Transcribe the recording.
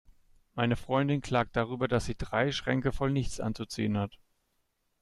Meine Freundin klagt darüber, dass sie drei Schränke voll nichts anzuziehen hat.